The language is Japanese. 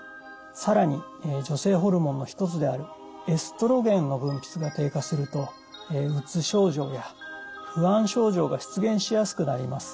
更に女性ホルモンの一つであるエストロゲンの分泌が低下するとうつ症状や不安症状が出現しやすくなります。